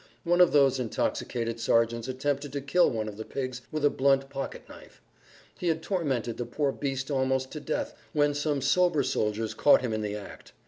One of those intoxicated sergeants attempted to kill one of the pigs with a blunt pocket knife. He had tormented the poor beast almost to death when some sober soldiers caught him in the act.